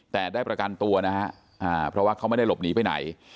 แต่ได้ประกันตัวนะฮะเพราะว่าเขาไม่ได้หลบหนีไปไหน